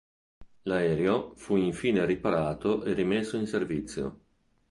L'aereo fu infine riparato e rimesso in servizio.